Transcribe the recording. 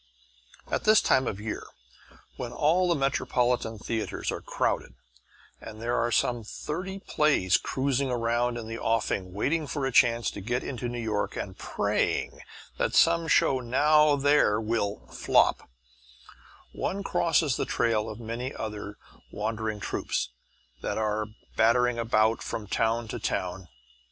At this time of year, when all the metropolitan theatres are crowded and there are some thirty plays cruising round in the offing waiting for a chance to get into New York and praying that some show now there will "flop," one crosses the trail of many other wandering troupes that are battering about from town to town.